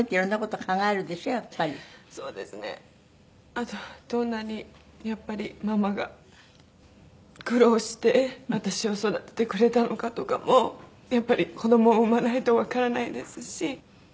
あとどんなにやっぱりママが苦労して私を育ててくれたのかとかもやっぱり子どもを産まないとわからないですし。